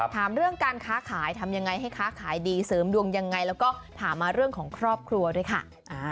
ถามเรื่องการค้าขายทำยังไงให้ค้าขายดีเสริมดวงยังไงแล้วก็ถามมาเรื่องของครอบครัวด้วยค่ะ